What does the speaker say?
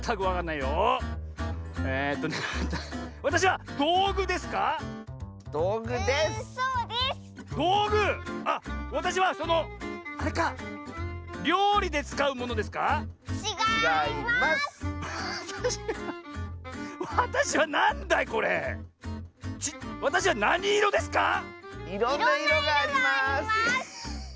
いろんないろがあります！